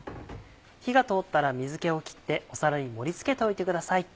火が通ったら水気をきって皿に盛り付けておいてください。